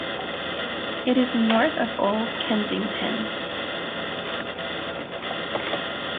It is north of Olde Kensington.